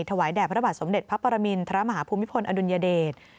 แด่พระบาทสมเด็จพระปรมินทรมาฮภูมิพลอดุลยเดช